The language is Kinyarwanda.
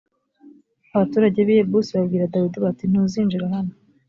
abaturage b i yebusi babwira dawidi bati ntuzinjira hano